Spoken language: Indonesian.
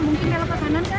mungkin kita lewat kanan kan